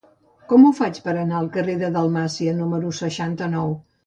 Com ho faig per anar al carrer de Dalmàcia número seixanta-nou?